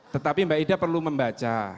tetapi mbak ida perlu membaca